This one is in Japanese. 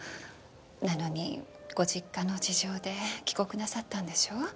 なのにご実家の事情で帰国なさったんでしょう？